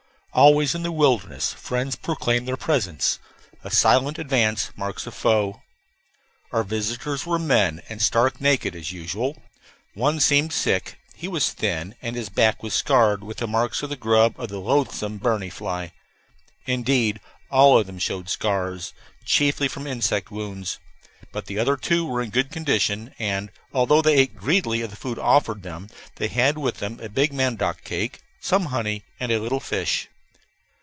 Always in the wilderness friends proclaim their presence; a silent advance marks a foe. Our visitors were men, and stark naked, as usual. One seemed sick; he was thin, and his back was scarred with marks of the grub of the loathsome berni fly. Indeed, all of them showed scars, chiefly from insect wounds. But the other two were in good condition, and, although they ate greedily of the food offered them, they had with them a big mandioc cake, some honey, and a little fish.